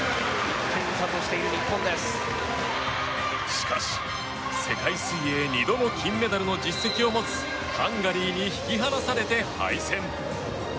しかし、世界水泳２度の金メダルの実績を持つハンガリーに引き離されて敗戦。